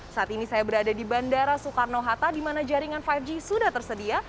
saat ini saya berada di bandara soekarno hatta di mana jaringan lima g sudah tersedia